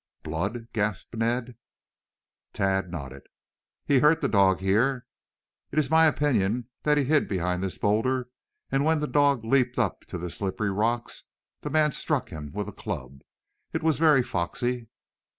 "Blood!" gasped Ned. Tad nodded. "He hurt the dog here. It is my opinion that he hid behind this boulder and when the dog leaped up to the slippery rocks, the man struck him with a club. It was very foxy."